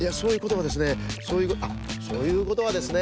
そういうことはですね